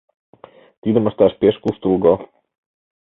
— Тидым ышташ пеш куштылго.